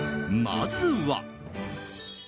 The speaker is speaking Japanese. まずは。